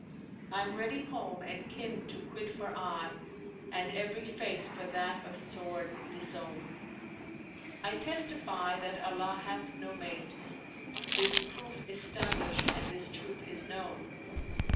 I'm ready home and kin to quit for aye, * And every Faith for that of sword[FN#485] disown: I testify that Allah hath no mate: * This proof is stablished and this truth is known.